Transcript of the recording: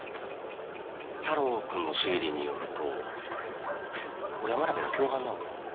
太郎くんの推理によると俺は真鍋の共犯なんか？